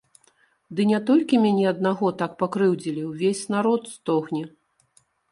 Ды не толькі мяне аднаго так пакрыўдзілі, увесь народ стогне.